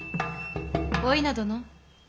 お稲殿。